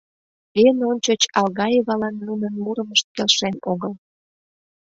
Эн ончыч Алгаевалан нунын мурымышт келшен огыл.